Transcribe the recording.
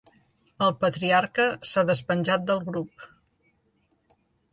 El patriarca s'ha despenjat del grup.